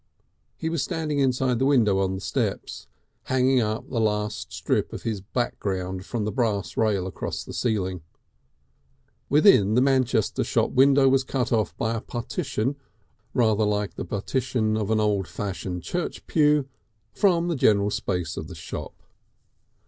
He was standing inside the window on the steps, hanging up the last strip of his background from the brass rail along the ceiling. Within, the Manchester shop window was cut off by a partition rather like the partition of an old fashioned church pew from the general space of the shop.